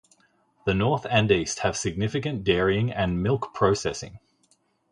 The north and east have significant dairying and milk processing.